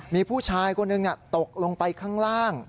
มีผู้ชายคนหนึ่งตกลงไปข้างล่าง